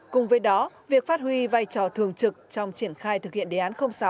cùng với đó việc phát huy vai trò thường trực trong triển khai thực hiện đề án sáu